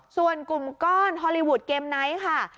ส่วนกลุ่มก้อนฮอลลีวูดเกมไนท์ค่ะ